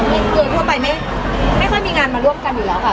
โดยทั่วไปไม่ค่อยมีงานมาร่วมกันอยู่แล้วค่ะ